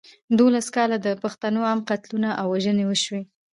دولس کاله د پښتنو عام قتلونه او وژنې وشوې.